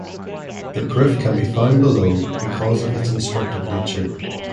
The proof can be found below because of its instructive nature.